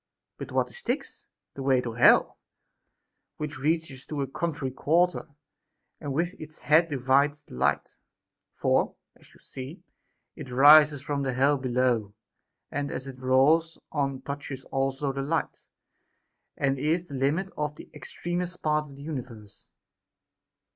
But what is Styx X The way to hell, which reaches to the contrary quarter, and with its head divides the light ; for, as you see, it rises from hell below, and as it rolls on touches also the light, and is the limit of the extremest part of the universe.